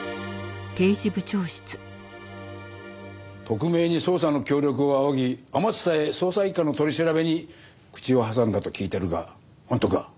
特命に捜査の協力を仰ぎあまつさえ捜査一課の取り調べに口を挟んだと聞いてるが本当か？